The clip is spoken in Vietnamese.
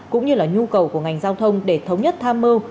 cũng như là nhu cầu của ngành giao thông để thống nhất tham mưu